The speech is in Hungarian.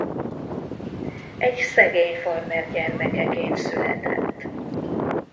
Egy szegény farmer gyermekeként született.